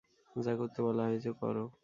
যা করতে বলা হয়েছে কর।